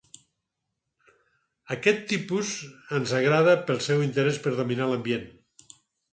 Aquest tipus ens agrada pel seu interès per dominar l'ambient.